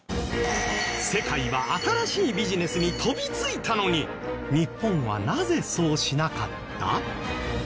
世界は新しいビジネスに飛びついたのに日本はなぜそうしなかった？